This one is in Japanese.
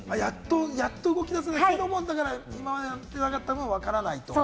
やっと動き出したけれども、今までやってこなかったからわからない。